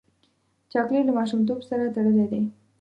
چاکلېټ له ماشومتوب سره تړلی دی.